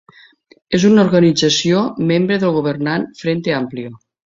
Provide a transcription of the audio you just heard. És una organització membre del governant Frente Amplio.